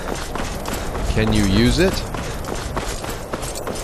Can you use it?